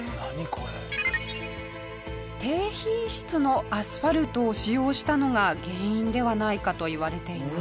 低品質のアスファルトを使用したのが原因ではないかといわれています。